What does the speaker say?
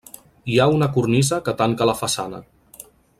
Hi ha una cornisa que tanca la façana.